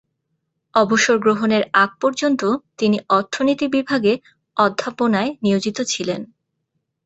অবসর গ্রহণের আগ পর্যন্ত তিনি অর্থনীতি বিভাগে অধ্যাপনায় নিয়োজিত ছিলেন।